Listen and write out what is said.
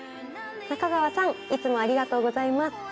中川さんいつもありがとうございます。